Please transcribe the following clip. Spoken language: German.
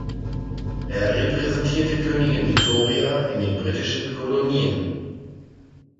Er repräsentierte Königin Victoria in den britischen Kolonien.